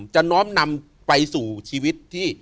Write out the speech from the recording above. น้อมนำไปสู่ชีวิตที่